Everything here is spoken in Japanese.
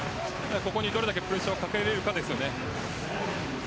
ここに、どれだけプレッシャーをかけられるかですね。